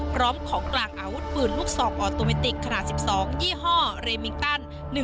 พร้อมของกลางอาวุธปืนลูกซองออโตเมติกขนาด๑๒ยี่ห้อเรมิงตัน